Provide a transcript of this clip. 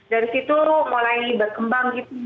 dari situ mulai berkembang gitu